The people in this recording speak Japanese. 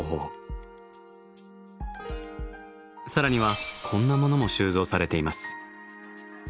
更にはこんなものも収蔵されています。